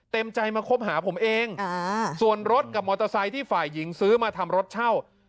ใจมาคบหาผมเองส่วนรถกับมอเตอร์ไซค์ที่ฝ่ายหญิงซื้อมาทำรถเช่า